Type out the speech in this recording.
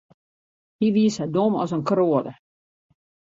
Hy wie sa dom as in kroade.